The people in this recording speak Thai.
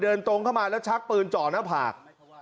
ตรงเข้ามาแล้วชักปืนจ่อหน้าผาก